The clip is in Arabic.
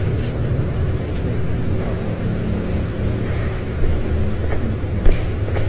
لا يأتيه الباطل من بين يديه ولا من خلفه تنزيل من حكيم حميد